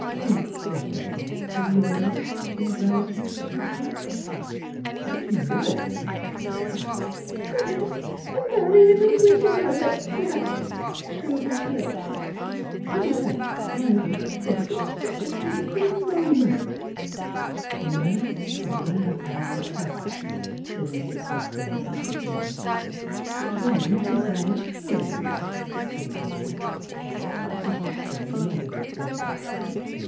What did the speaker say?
" Think better of it, Philura," she ad vised compassionately. " At your time of life —"" Yes, an' marryin' a widower at that !" shrilled Miss Electa. " My, I wouldn't Miss Pkilura's Wedding Gown think of such a thing for a moment !"" A nice drab alapaca," said Mrs. Buckthorn antiphonally. " Trimmed with bias folds," added Miss Pratt. Mrs. Buckthorn nodded approval.